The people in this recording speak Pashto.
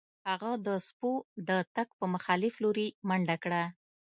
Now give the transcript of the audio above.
هغه د سپیو د تګ په مخالف لوري منډه کړه